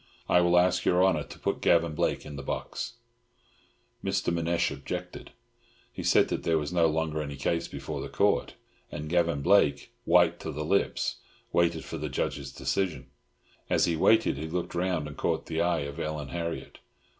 I will ask your Honor to put Gavan Blake in the box." Mr. Manasseh objected. He said that there was no longer any case before the Court; and Gavan Blake, white to the lips, waited for the Judge's decision. As he waited, he looked round and caught the eye of Ellen Harriott.